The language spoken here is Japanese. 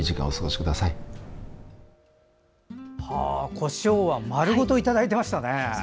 こしょうは丸ごといただいてましたね。